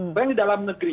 apa yang di dalam negeri